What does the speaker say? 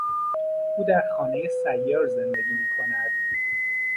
او در خانهی سیار زندگی میکند.